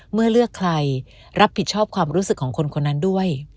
เมื่อเลือกใครรับผิดชอบความรู้สึกของคนคนนั้นด้วย